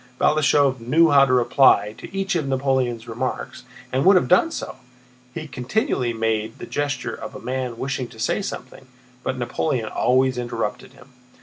Balashëv knew how to reply to each of Napoleon's remarks, and would have done so; he continually made the gesture of a man wishing to say something, but Napoleon always interrupted him.